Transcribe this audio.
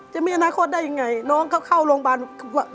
จะมีอนาคตได้ยังไงน้องเขาเข้าโรงพยาบาล